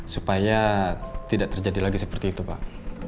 supaya tidak terjadi lagi seperti itu pak